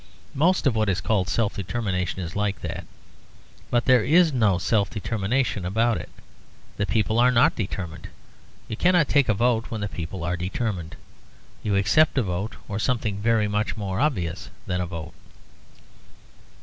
Most of what is called self determination is like that; but there is no self determination about it. The people are not determined. You cannot take a vote when the people are determined. You accept a vote, or something very much more obvious than a vote.